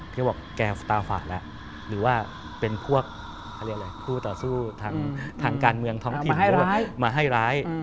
พี่ก็บอกแกตาฝ่าแล้วหรือว่าเป็นพวกผู้ต่อสู้ทางการเมืองท้องที่มาให้ร้าย